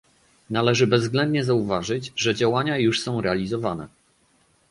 Należy bezwzględnie zauważyć, że działania już są realizowane